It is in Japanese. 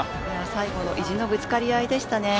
最後の意地のぶつかり合いでしたね。